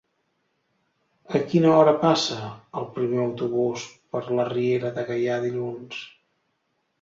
A quina hora passa el primer autobús per la Riera de Gaià dilluns?